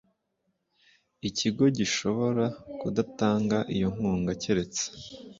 ikigo gishobora kudatanga iyo nkunga keretse